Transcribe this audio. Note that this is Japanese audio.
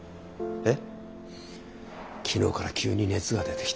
えっ。